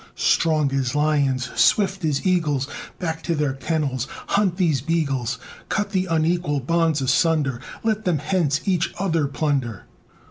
Strong as lions, swift as eagles, Back to their kennels hunt these beagles! Cut the unequal bonds asunder! Let them hence each other plunder!